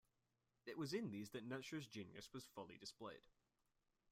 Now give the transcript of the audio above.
It was in these that Netscher's genius was fully displayed.